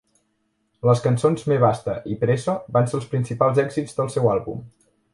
Les cançons "Me basta" i "Preso" van ser els principals èxits del seu àlbum.